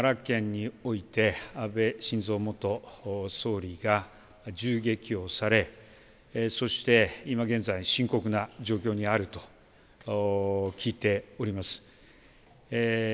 まず、本日午前中、昼前ですが奈良県において安倍晋三元元総理が銃撃をされそして今、現在、深刻な状況にあると聞いております。